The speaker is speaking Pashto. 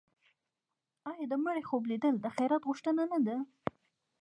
آیا د مړي خوب لیدل د خیرات غوښتنه نه ده؟